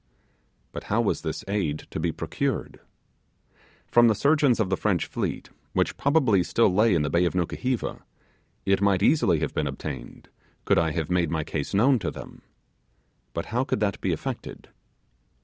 But how was this aid to be procured? From the surgeons of the French fleet, which probably still lay in the bay of Nukuheva, it might easily have been obtained, could I have made my case known to them. But how could that be effected?